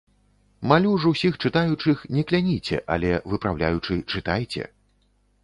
Малю ж усіх чытаючых, не кляніце, але выпраўляючы чытайце.